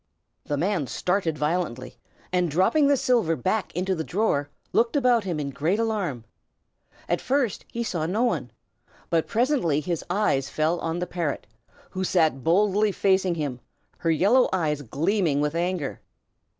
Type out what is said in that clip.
The man started violently, and dropping the silver back into the drawer, looked about him in great alarm. At first he saw no one, but presently his eyes fell on the parrot, who sat boldly facing him, her yellow eyes gleaming with anger.